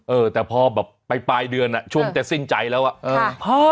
เออแต่พอแบบไปปลายเดือนอ่ะช่วงจะสิ้นใจแล้วอ่ะเออ